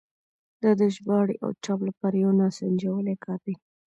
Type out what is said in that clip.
دا د ژباړې او چاپ لپاره یو ناسنجولی کار دی.